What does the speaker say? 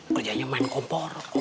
kerjanya main kompor